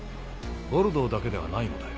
ゴルドーだけではないのだよ